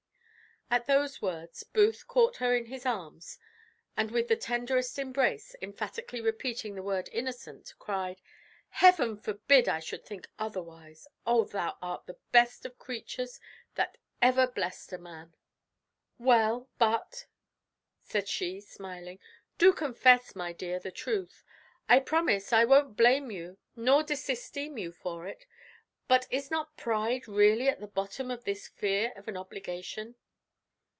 At those words Booth caught her in his arms, and with the tenderest embrace, emphatically repeating the word innocent, cried, "Heaven forbid I should think otherwise! Oh, thou art the best of creatures that ever blessed a man!" "Well, but," said she, smiling, "do confess, my dear, the truth; I promise you I won't blame you nor disesteem you for it; but is not pride really at the bottom of this fear of an obligation?"